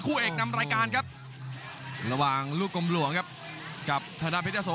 เอกนำรายการครับระหว่างลูกกลมหลวงครับกับธนาเพชรโส